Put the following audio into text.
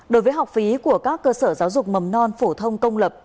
đối với học phí của các cơ sở giáo dục mầm non phổ thông công lập